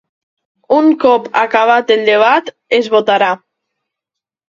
Un cop acabat el debat, es votarà.